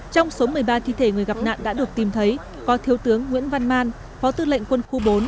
bảy thi thể người gặp nạn đã được tìm thấy có thiếu tướng nguyễn văn man phó tư lệnh quân khu bốn